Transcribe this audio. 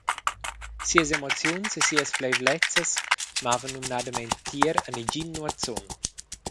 Sias emoziuns e sias fleivlezias mavan numnadamein tier a negin nuotzun.